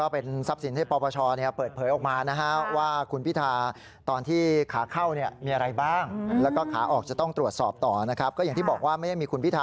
ประมาณที่๒๓ก็หน้ากระดานี้